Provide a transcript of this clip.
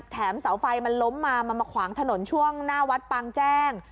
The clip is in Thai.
เสาไฟมันล้มมามันมาขวางถนนช่วงหน้าวัดปางแจ้ง